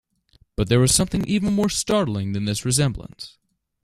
But there was something even more startling than this resemblance.